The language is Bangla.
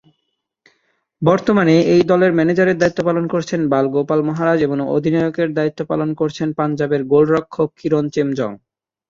বর্তমানে এই দলের ম্যানেজারের দায়িত্ব পালন করছেন বাল গোপাল মহারাজ এবং অধিনায়কের দায়িত্ব পালন করছেন পাঞ্জাবের গোলরক্ষক কিরণ চেমজং।